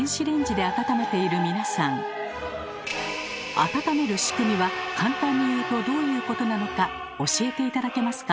温めるしくみは簡単に言うとどういうことなのか教えて頂けますか？